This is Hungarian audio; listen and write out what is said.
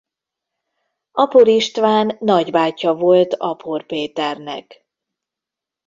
Apor István nagybátyja volt Apor Péternek.